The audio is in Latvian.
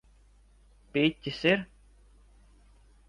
Piķis ir?